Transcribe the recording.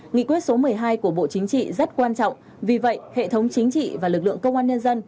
nghị quyết số một mươi hai của bộ chính trị rất quan trọng vì vậy hệ thống chính trị và lực lượng công an nhân dân